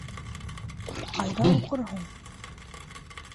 Ул ҡайҙа уҡыр һуң?